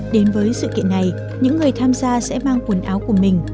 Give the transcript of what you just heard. đến với sự kiện này những người tham gia sẽ mang quần áo của mình